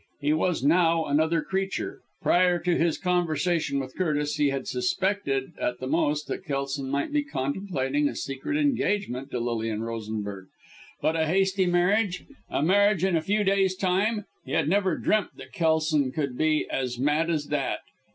He was, now, another creature. Prior to his conversation with Curtis, he had suspected, at the most, that Kelson might be contemplating a secret engagement to Lilian Rosenberg but a hasty marriage a marriage in a few days' time he had never dreamt that Kelson could be as mad as that.